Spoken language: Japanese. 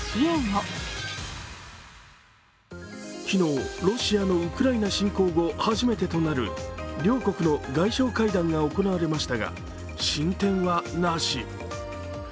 昨日、ロシアのウクライナ侵攻後初めてとなる両国の外相会談が行われましたが進展はなし。